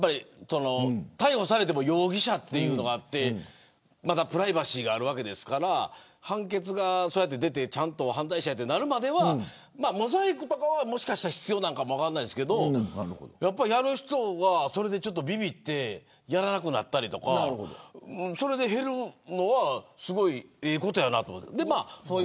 逮捕されても容疑者というのがあってまだプライバシーがあるわけですから判決がそうやって出て犯罪者となるまではモザイクとかは必要かも分からないですけどやっぱりやる人がそれでびびってやらなくなったりとかそれで減るのはすごい、ええことやなと思って。